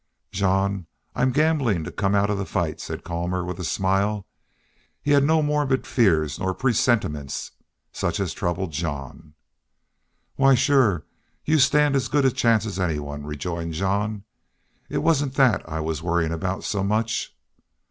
"Jean, I'm gamblin' to come out of the fight," said Colmor, with a smile. He had no morbid fears nor presentiments, such as troubled jean. "Why, sure you stand as good a chance as anyone," rejoined Jean. "It wasn't that I was worryin' about so much."